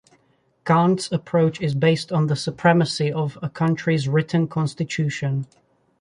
Kant's approach is based on the supremacy of a country's written constitution.